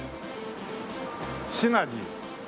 「シナジー」